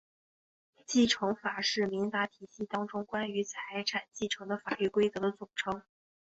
继承法是民法体系当中关于财产继承的法律规则的总称。